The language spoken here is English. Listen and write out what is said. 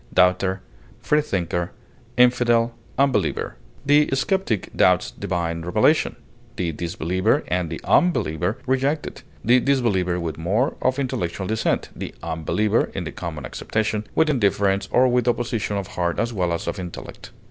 atheist, disbeliever, freethinker, The skeptic doubts divine revelation; the disbeliever and the unbeliever reject it, the disbeliever with more of intellectual dissent, the unbeliever (in the common acceptation) with indifference or with opposition of heart as well as of intellect.